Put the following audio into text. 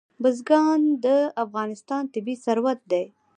بزګان د افغانستان طبعي ثروت دی.